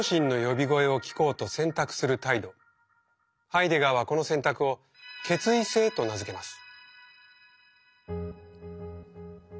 ハイデガーはこの選択を「決意性」と名付けます。